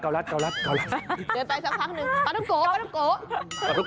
กาวรัสเดินไปสักพักนึง